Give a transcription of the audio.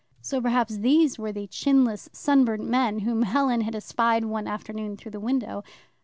So perhaps these were the "chinless sunburnt men" whom Helen had espied one afternoon through the window.